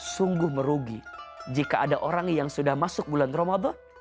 sungguh merugi jika ada orang yang sudah masuk bulan ramadan